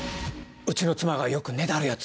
うちの妻がよくねだるやつ。